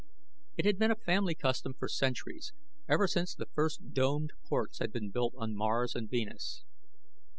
It had been a family custom for centuries, ever since the first domed ports had been built on Mars and Venus.